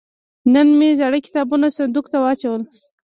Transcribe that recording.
نن مې زاړه کتابونه صندوق ته واچول.